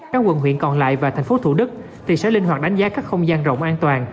các quận huyện còn lại và thành phố thủ đức sẽ linh hoạt đánh giá các không gian rộng an toàn